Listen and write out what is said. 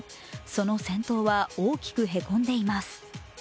その先頭は大きくへこんでいます。